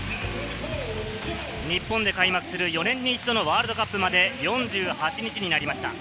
日本で開幕する、４年に一度のワールドカップまで４８日になりました。